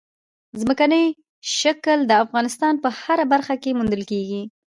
ځمکنی شکل د افغانستان په هره برخه کې موندل کېږي.